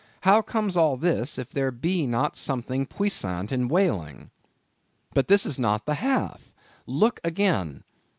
How comes all this, if there be not something puissant in whaling? But this is not the half; look again.